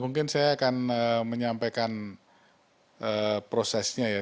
mungkin saya akan menyampaikan prosesnya ya